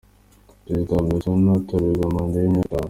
Perezida wa Botswana atorerwa manda y’imyaka itanu.